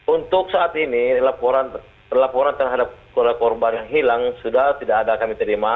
untuk saat ini laporan terhadap korban yang hilang sudah tidak ada kami terima